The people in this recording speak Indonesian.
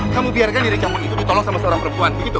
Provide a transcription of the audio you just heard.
kamu biarkan diri kamu itu ditolong sama seorang perempuan